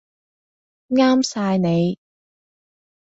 啱晒你